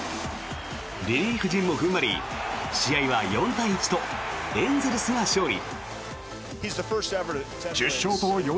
リリーフ陣も踏ん張り試合は４対１とエンゼルスが勝利。